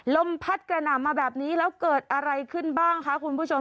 ลมพัดกระหน่ำมาแบบนี้แล้วเกิดอะไรขึ้นบ้างคะคุณผู้ชม